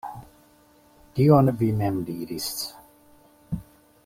Tion vi mem diris.